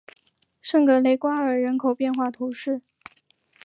圣格雷瓜尔人口变化图示